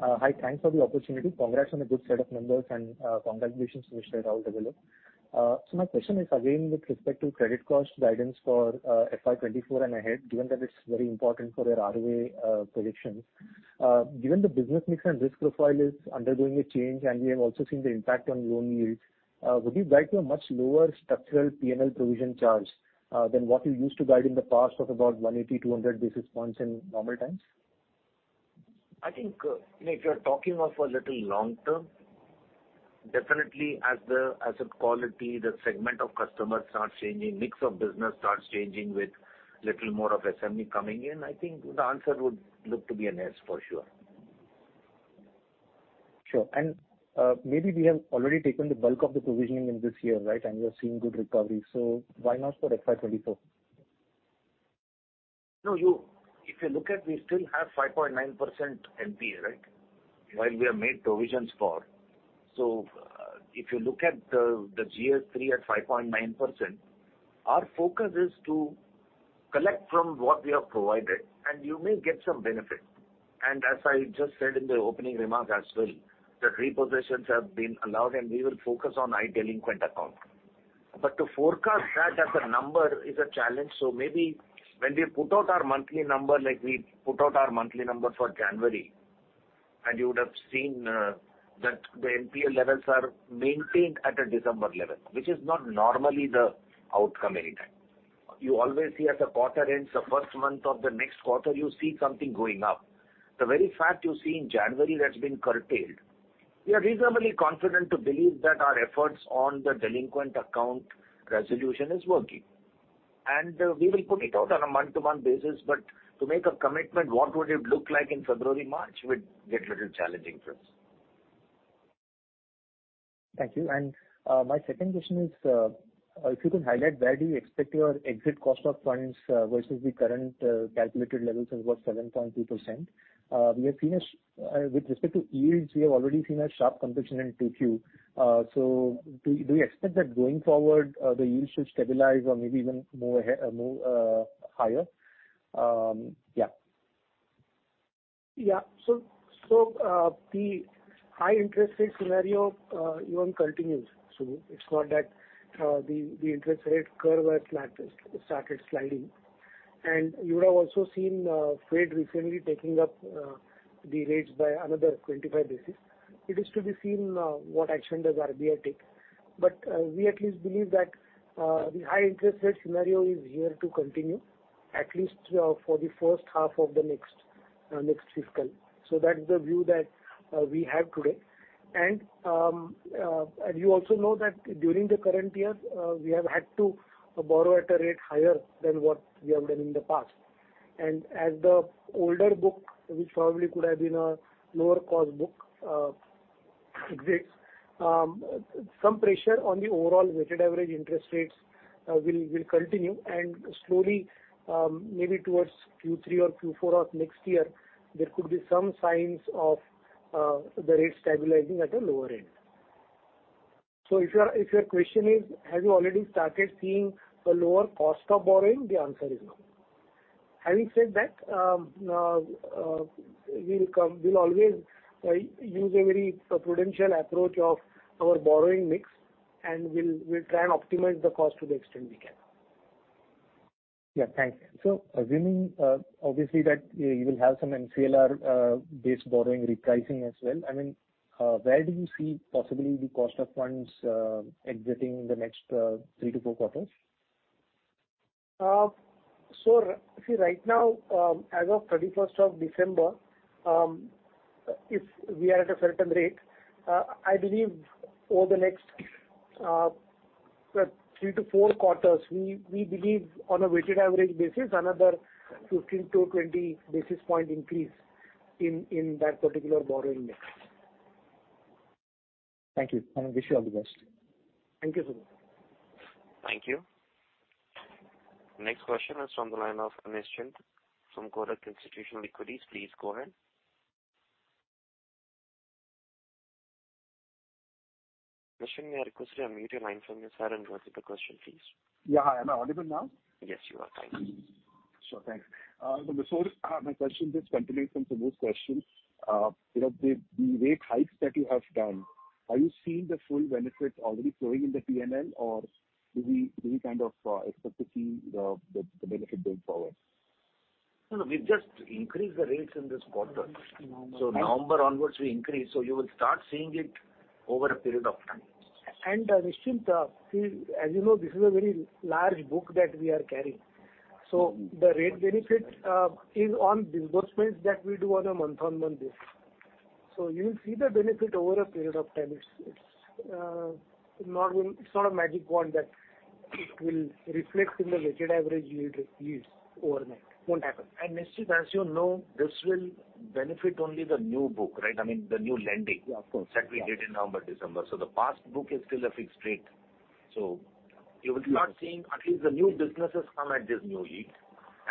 Hi. Thanks for the opportunity. Congrats on a good set of numbers and, congratulations to Mr. Raul Rebello. My question is again with respect to credit cost guidance for FY 2024 and ahead, given that it's very important for your ROE predictions. Given the business mix and risk profile is undergoing a change and we have also seen the impact on loan yields, would you guide to a much lower structural P&L provision charge than what you used to guide in the past of about 180 basis point-200 basis points in normal times? I think, you know, if you're talking of a little long term, definitely as the asset quality, the segment of customers starts changing, mix of business starts changing with little more of SME coming in, I think the answer would look to be an yes for sure. Sure. Maybe we have already taken the bulk of the provisioning in this year, right? We are seeing good recovery. Why not for FY 2024? If you look at, we still have 5.9% NPA, right? While we have made provisions for. If you look at the Stage 3 at 5.9%, our focus is to collect from what we have provided, and you may get some benefit. As I just said in the opening remarks as well, the repossessions have been allowed and we will focus on high delinquent accounts. To forecast that as a number is a challenge. Maybe when we put out our monthly number, like we put out our monthly number for January, and you would have seen that the NPA levels are maintained at a December level, which is not normally the outcome any time. You always see as a quarter ends, the first month of the next quarter, you see something going up. The very fact you see in January that's been curtailed, we are reasonably confident to believe that our efforts on the delinquent account resolution is working. We will put it out on a month-to-month basis. To make a commitment, what would it look like in February, March would get little challenging for us. Thank you. My second question is, if you could highlight where do you expect your exit cost of funds, versus the current, calculated levels of about 7.2%? We have already seen a sharp compression in 2Q. Do we expect that going forward, the yields should stabilize or maybe even move higher? yeah. Yeah. The high interest rate scenario even continues. It's not that the interest rate curve has started sliding. You would have also seen Fed recently taking up the rates by another 25 basis points. It is to be seen what action does RBI take. We at least believe that the high interest rate scenario is here to continue at least for the first half of the next fiscal. That's the view that we have today. You also know that during the current year, we have had to borrow at a rate higher than what we have done in the past. As the older book, which probably could have been a lower cost book, exists, some pressure on the overall weighted average interest rates will continue and slowly, maybe towards Q3 or Q4 of next year, there could be some signs of the rate stabilizing at a lower end. If your question is have you already started seeing a lower cost of borrowing? The answer is no. Having said that, We'll always use a very prudential approach of our borrowing mix and we'll try and optimize the cost to the extent we can. Yeah. Thanks. Assuming, obviously that you will have some MCLR based borrowing repricing as well, I mean, where do you see possibly the cost of funds exiting in the next 3 quarters-4 quarters? See right now, as of 31st of December, if we are at a certain rate, I believe over the next 3 quarters-4 quarters, we believe on a weighted average basis, another 15 basis points-20 basis points increase in that particular borrowing mix. Thank you and wish you all the best. Thank you, Subramanian. Thank you. Next question is from the line of Nishant from Kotak Institutional Equities. Please go ahead. Nishant, may I request you to unmute your line from your side and go ahead with the question, please. Yeah. Am I audible now? Yes, you are. Thank you. Sure. Thanks. Mr. Patel, my question just continues from Subbu's question. You know, the rate hikes that you have done, are you seeing the full benefit already flowing in the P&L or do we, do we kind of, expect to see the, the benefit going forward? No, no. We've just increased the rates in this quarter. November? November onwards we increase, so you will start seeing it over a period of time. Nishant, see, as you know, this is a very large book that we are carrying. The rate benefit is on disbursements that we do on a month-on-month basis. You will see the benefit over a period of time. It's not a magic wand that it will reflect in the weighted average yields overnight. Won't happen. Nishant, as you know, this will benefit only the new book, right? I mean, the new lending- Yeah, of course. ...that we did in November, December. The past book is still a fixed rate. You will start seeing at least the new businesses come at this new yield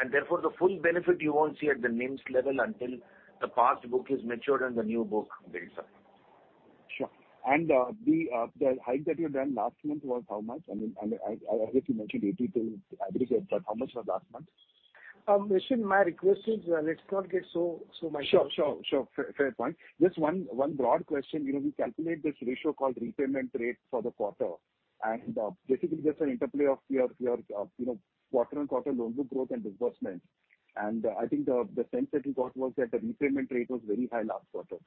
and therefore the full benefit you won't see at the NIMS level until the past book is matured and the new book builds up. Sure. The hike that you've done last month was how much? I mean, I heard you mentioned 82% aggregate, but how much was last month? Nishant, my request is, let's not get so. Sure. Fair point. Just one broad question. You know, we calculate this ratio called repayment rate for the quarter. Basically just an interplay of your, you know, quarter on quarter loan book growth and disbursement. I think the sense that we got was that the repayment rate was very high last quarter.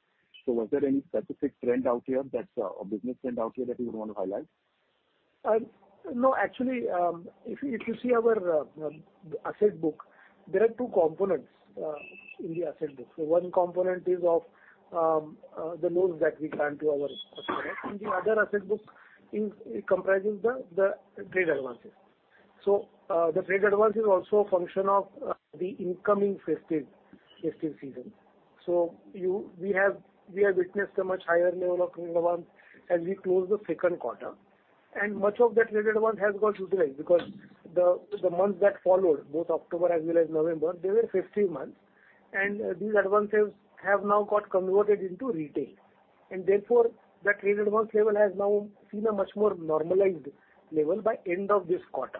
Was there any specific trend out here that's, or business trend out here that you would want to highlight? No, actually, if you see our asset book, there are two components in the asset book. One component is of the loans that we grant to our customers. The other asset book is comprising the trade advances. The trade advance is also a function of the incoming festive season. We have witnessed a much higher level of advance as we close the second quarter. Much of that trade advance has got utilized because the months that followed both October as well as November, they were festive months. These advances have now got converted into retail and therefore that trade advance level has now seen a much more normalized level by end of this quarter.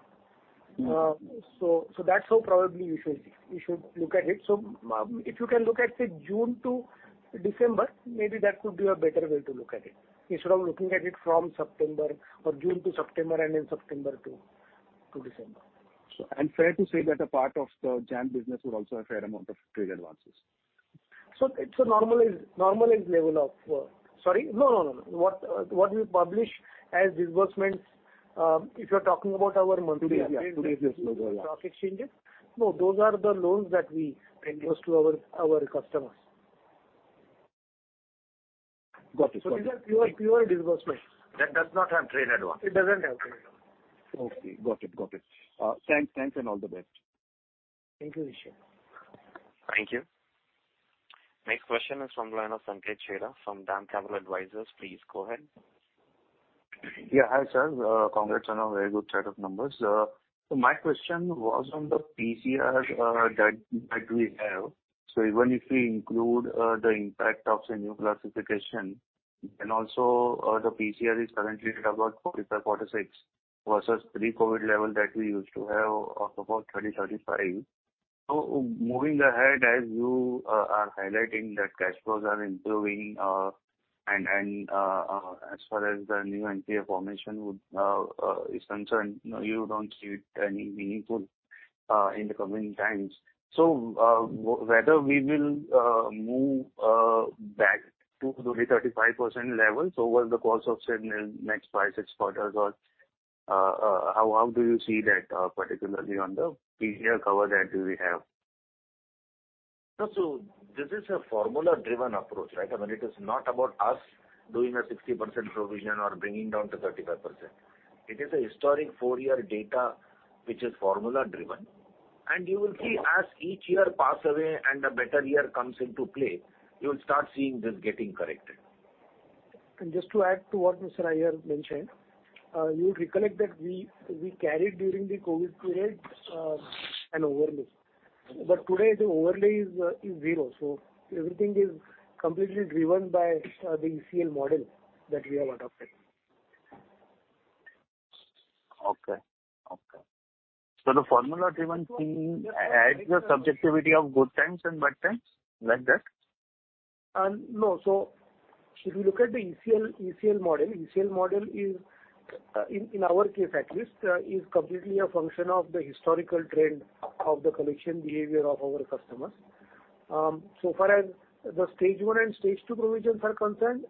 That's how probably you should see, you should look at it. If you can look at, say, June to December, maybe that could be a better way to look at it, instead of looking at it from September or June to September and then September to December. Sure. fair to say that a part of the Jam business would also have fair amount of trade advances. It's a normalized level of—Sorry. No. What we publish as disbursements, if you're talking about our monthly. Today's, yeah. Today's business level, yeah. No, those are the loans that we disperse to our customers. Got it. Got it. These are pure disbursement. That does not have trade advance. It doesn't have trade advance. Okay. Got it. Got it. Thanks and all the best. Thank you, Nishant. Thank you. Next question is from the line of Sanket Chheda from DAM Capital Advisors. Please go ahead. Yeah. Hi, sir. Congrats on a very good set of numbers. My question was on the PCR that we have. Even if we include the impact of the new classification and also, the PCR is currently at about 45%, 46%. Versus pre-COVID level that we used to have of about 30%, 35%. Moving ahead, as you are highlighting that cash flows are improving, and as far as the new NPA formation would is concerned, you know, you don't see it any meaningful in the coming times. Whether we will move back to the 35% level over the course of say, next 5 quarters, 6 quarters, or how do you see that particularly on the PCR cover that we have? This is a formula-driven approach, right? I mean, it is not about us doing a 60% provision or bringing down to 35%. It is a historic 4-year data which is formula driven. You will see as each year pass away and a better year comes into play, you'll start seeing this getting corrected. Just to add to what Mr. Iyer mentioned, you would recollect that we carried during the COVID period, an overlay. Today the overlay is zero. Everything is completely driven by the ECL model that we have adopted. Okay. Okay. The formula driven thing adds the subjectivity of good times and bad times, like that? No. If you look at the ECL model is in our case at least is completely a function of the historical trend of the collection behavior of our customers. So far as the Stage 1 and Stage 2 provisions are concerned,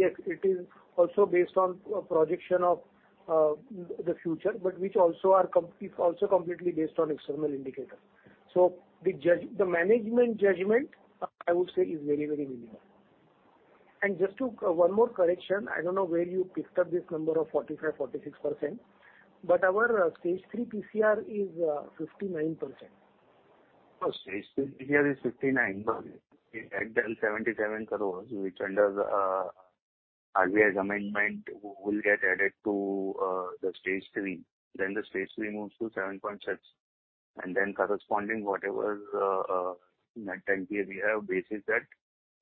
yes, it is also based on a projection of the future, but which also is also completely based on external indicators. The management judgment, I would say, is very, very minimal. Just to—One more correction, I don't know where you picked up this number of 45%, 46%, but our Stage 3 PCR is 59%. Stage 3 PCR is 59%, but if you add the 77 crore which under RBI's amendment will get added to the Stage 3, then the Stage 3 moves to 7.6%. Then corresponding whatever is net NPA we have, basis that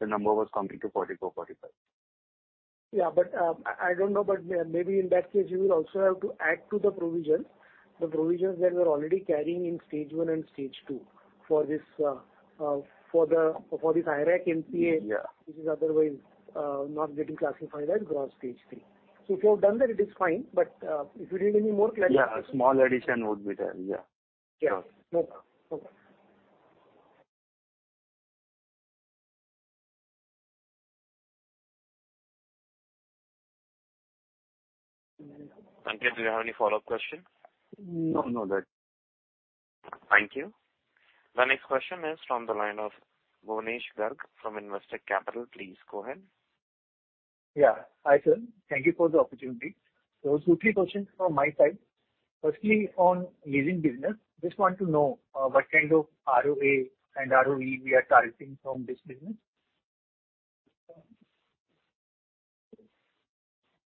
the number was coming to 44%, 45%. I don't know, but maybe in that case, you will also have to add to the provision, the provisions that you're already carrying in Stage 1 and Stage 2 for this, for the, for this IRAC/NPA which is otherwise, not getting classified as Stage 3. If you have done that, it is fine, but, if you need any more clarification- Yeah, a small addition would be there. Yeah. Yeah. No problem. Okay. Sanket, do you have any follow-up question? No, no, that's it. Thank you. The next question is from the line of Bhuvnesh Garg from Investec Capital. Please go ahead. Yeah. Hi, sir. Thank you for the opportunity. Two, three questions from my side. Firstly, on leasing business, just want to know what kind of ROA and ROE we are targeting from this business.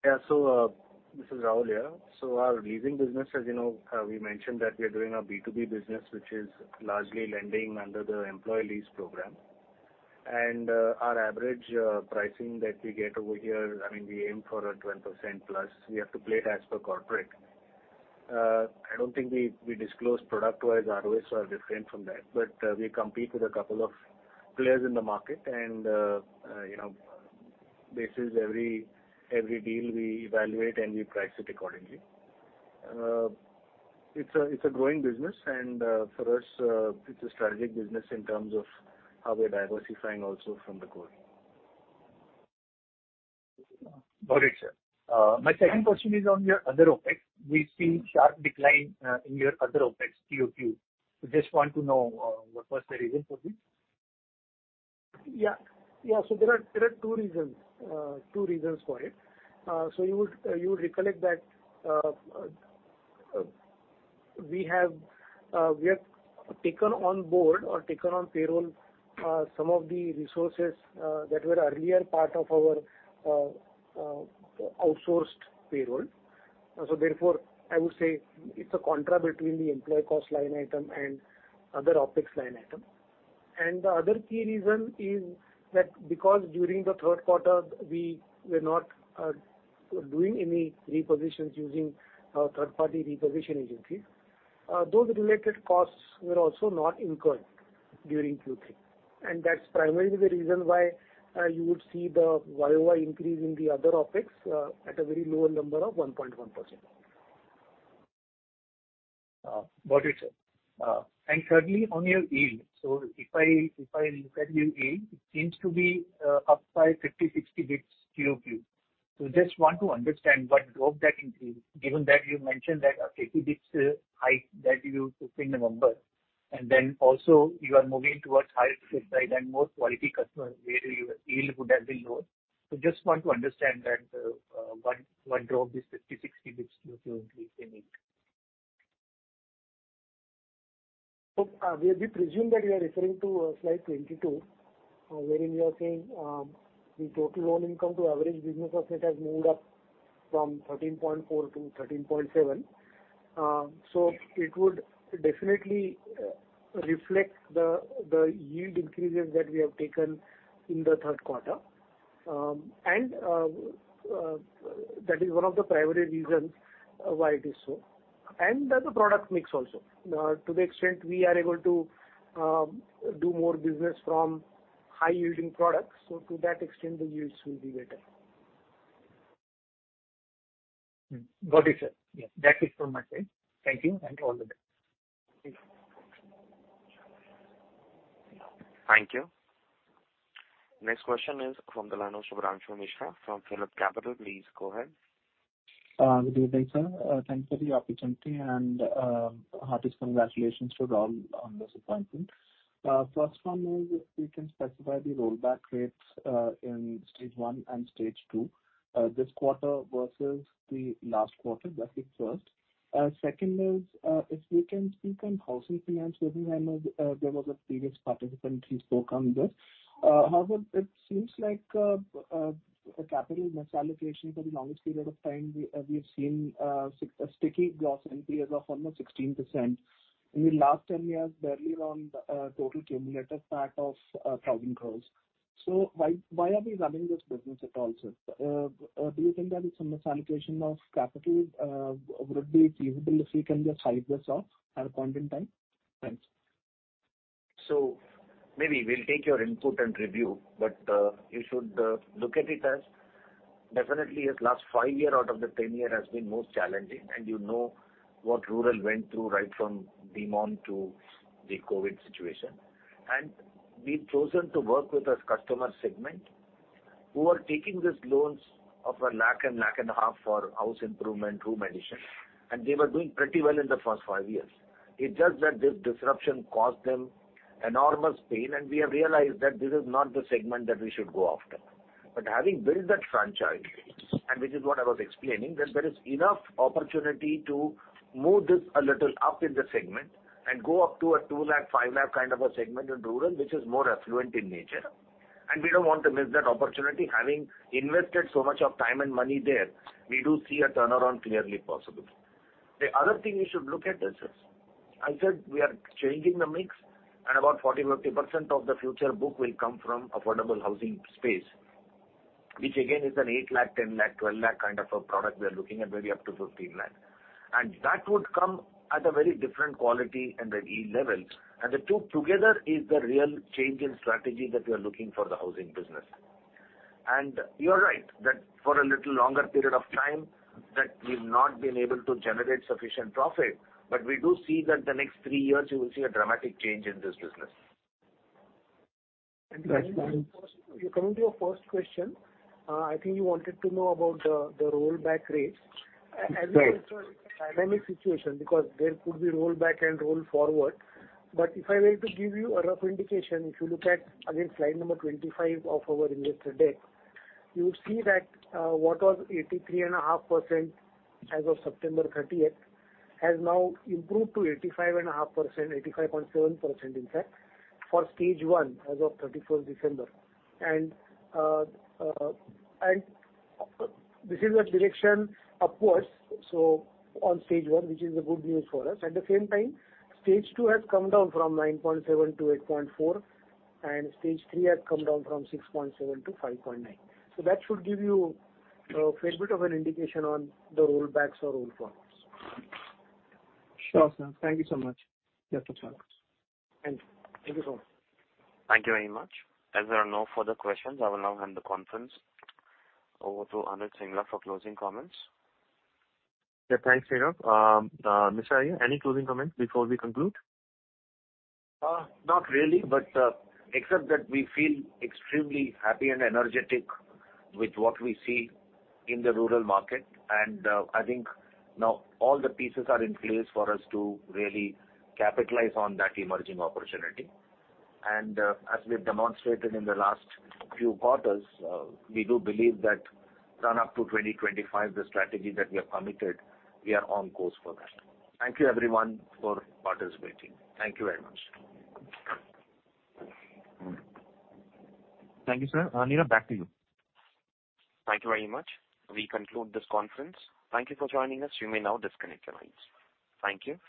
Yeah, this is Raul here. Our leasing business, as you know, we mentioned that we are doing a B2B business, which is largely lending under the employee lease program. Our average pricing that we get over here, I mean, we aim for a 12%+. We have to play it as per corporate. I don't think we disclose product-wise ROAs are different from that, we compete with a couple of players in the market and, you know, basis every deal we evaluate and we price it accordingly. It's a growing business and for us, it's a strategic business in terms of how we're diversifying also from the core. Got it, sir. My second question is on your other OpEx. We've seen sharp decline in your other OpEx QOQ. Just want to know what was the reason for this? Yeah. Yeah. There are two reasons for it. You would recollect that we have taken on board or taken on payroll some of the resources that were earlier part of our outsourced payroll. Therefore, I would say it's a contra between the employee cost line item and other OpEx line item. The other key reason is that because during the third quarter, we were not doing any repositions using third party reposition agencies, those related costs were also not incurred during Q3. That's primarily the reason why you would see the YOY increase in the other OpEx at a very lower number of 1.1%. Got it, sir. Thirdly, on your yield. If I look at your yield, it seems to be up by 50 bps-60 bps QOQ. Just want to understand what drove that increase, given that you mentioned that a 30 bps hike that you took in November, and then also you are moving towards higher risk appetite and more quality customers where your yield would have been lower. Just want to understand that what drove this 50 bps-60 bps QOQ increase in yield. We presume that you are referring to slide 22, wherein you are saying, the total loan income to average business asset has moved up from 13.4% to 13.7%. It would definitely reflect the yield increases that we have taken in the third quarter. That is one of the primary reasons why it is so, and the product mix also. To the extent we are able to do more business from high-yielding products, to that extent the yields will be better. Mm-hmm. Got it, sir. Yes. That is from my side. Thank you and to all the best. Thank you. Thank you. Next question is from the line of Shubhranshu Mishra from PhillipCapital. Please go ahead. Good day, sir. Thanks for the opportunity and, hardest congratulations to Raul on this appointment. First 1 is if you can specify the rollback rates in Stage 1 and Stage 2 this quarter versus the last quarter. That's it first. Second is if we can speak on housing finance, maybe I know, there was a previous participant who spoke on this. However, it seems like a capital misallocation for the longest period of time. We, we've seen a sticky gross NPA of almost 16%. In the last 10 years, barely around total cumulative PAT of 1,000 crores. Why, why are we running this business at all, sir? Do you think that it's a misallocation of capital? Would it be feasible if we can just write this off at a point in time? Thanks. Maybe we'll take your input and review, but, you should, look at it as definitely as last five year out of the 10 year has been most challenging and you know what rural went through right from demand to the COVID situation. We've chosen to work with a customer segment who are taking these loans of 1 lakh and 1.5 lakh for house improvement, room addition, and they were doing pretty well in the first five years. It's just that this disruption caused them enormous pain and we have realized that this is not the segment that we should go after. Having built that franchise, and which is what I was explaining, that there is enough opportunity to move this a little up in the segment and go up to a 2 lakh, 5 lakh kind of a segment in rural which is more affluent in nature. We don't want to miss that opportunity having invested so much of time and money there. We do see a turnaround clearly possible. The other thing you should look at is this. I said we are changing the mix and about 40%, 50% of the future book will come from affordable housing space, which again is an 8 lakh, 10 lakh, 12 lakh kind of a product we are looking at, maybe up to 15 lakh. That would come at a very different quality and at e-level. The two together is the real change in strategy that we are looking for the housing business. You are right that for a little longer period of time, that we've not been able to generate sufficient profit, but we do see that the next three years you will see a dramatic change in this business. Thank you very much. Coming to your first question, I think you wanted to know about the rollback rates. Right. As I said, it's a dynamic situation because there could be rollback and roll forward. If I were to give you a rough indication, if you look at, again, slide number 25 of our investor deck, you would see that, what was 83.5% as of September 30th has now improved to 85.5%, 85.7%, in fact, for Stage 1 as of 31st December. This is the direction upwards, so on Stage 1, which is a good news for us. At the same time, Stage 2 has come down from 9.7% to 8.4%, and Stage 3 has come down from 6.7% to 5.9%. That should give you a fair bit of an indication on the rollbacks or roll forwards. Sure, sir. Thank you so much. Yes, that's all. Thank you. Thank you so much. Thank you very much. As there are no further questions, I will now hand the conference over to Anuj Singla for closing comments. Yeah, thanks, Neeraj. Ramesh, any closing comments before we conclude? Not really, but except that we feel extremely happy and energetic with what we see in the rural market. I think now all the pieces are in place for us to really capitalize on that emerging opportunity. As we've demonstrated in the last few quarters, we do believe that run up to 2025, the strategy that we have committed, we are on course for that. Thank you everyone for participating. Thank you very much. Thank you, sir. Neeraj, back to you. Thank you very much. We conclude this conference. Thank you for joining us. You may now disconnect your lines. Thank you.